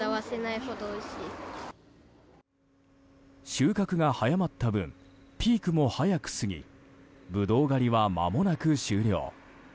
収穫が早まった分ピークも早く過ぎブドウ狩りは、まもなく終了。